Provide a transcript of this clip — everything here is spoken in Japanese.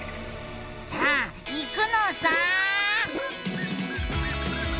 さあいくのさ！